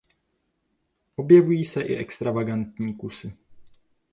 Objevují se i extravagantní kusy.